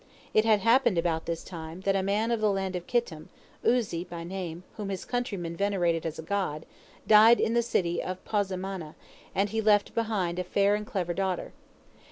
It had happened about this time that a man of the land of Kittim, 'Uzi by name, whom his countrymen venerated as a god, died in the city of Pozimana, and he left behind a fair and clever daughter.